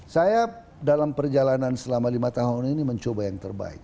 saya dalam perjalanan selama lima tahun ini mencoba yang terbaik